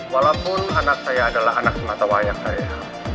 walaupun anak saya adalah anak sematawayang saya